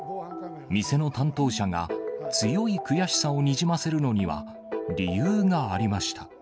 店の担当者が、強い悔しさをにじませるのには、理由がありました。